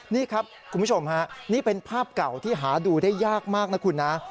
นี่ครับคุณผู้ชมฮะนี่เป็นภาพเก่าที่หาดูได้ยากมากนะคุณนะ